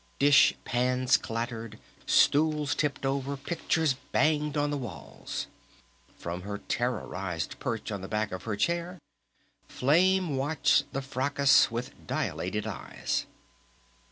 Dish pans clattered, stools tipped over, pictures banged on the walls! From her terrorized perch on the back of her chair Flame watched the fracas with dilated eyes.